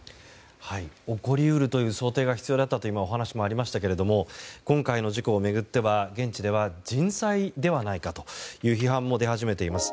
起こり得るという想定が必要だったというお話も今、ありましたが今回の事故を巡って、現地では人災ではないかという批判も出始めています。